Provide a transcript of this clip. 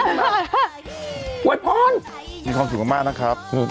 อวยพรมีความสุขมากนะครับ